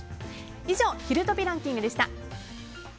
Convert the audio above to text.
以上ひるトピランキングでした。